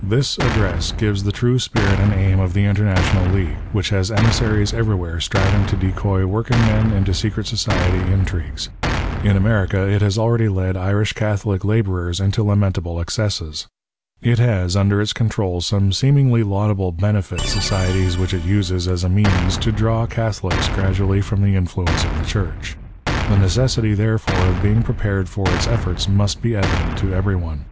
This address gives the true spirit and aim of the International League, which has emissaries everywhere striving to decoy working men into secret society intrigues. In America it has already led Irish Catholic labourers into lamentable excesses. It has under its control some seemingly laudable benefit societies which it uses as a means to draw Catholics gradually from the influence of the Church. The necessity therefore of being prepared for its efforts must be evident to everyone.